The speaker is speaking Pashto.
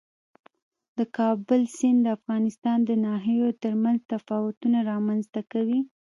د کابل سیند د افغانستان د ناحیو ترمنځ تفاوتونه رامنځ ته کوي.